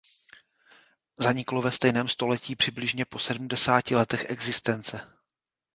Zaniklo ve stejném století přibližně po sedmdesáti letech existence.